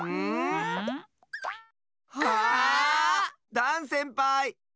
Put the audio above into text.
ダンせんぱい！